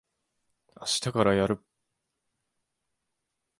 あしたからやる。